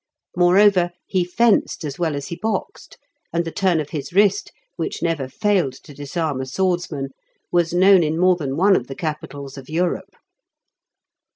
Moreover, he fenced as well as he boxed, and the turn of his wrist, which never failed to disarm a swordsman, was known in more than one of the capitals of Europe.